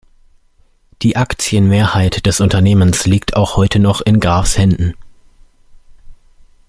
Die Aktienmehrheit des Unternehmens liegt auch heute noch in Grafs Händen.